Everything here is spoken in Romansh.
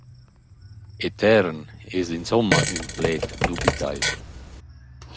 Etern es insomma ün pled dubitaivel.